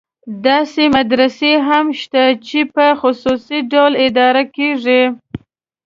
داسې مدرسې هم شته چې په خصوصي ډول اداره کېږي.